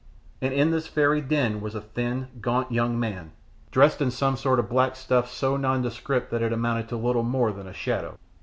And in this fairy den was a thin, gaunt young man, dressed in some sort of black stuff so nondescript that it amounted to little more than a shadow.